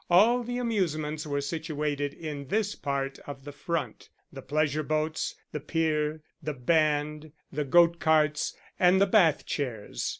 All the amusements were situated in this part of the front: the pleasure boats, the pier, the band, the goat carts, and the Bath chairs.